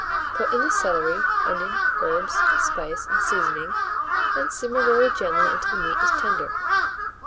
Put in the celery, onion, herbs, spice, and seasoning, and simmer very gently until the meat is tender.